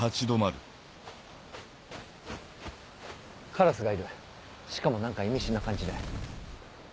カラスがいるしかも何か意味深な感じで。